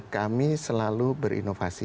kami selalu berinovasi